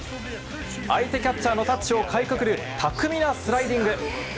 相手キャッチャーのタッチをかいくぐる巧みなスライディング。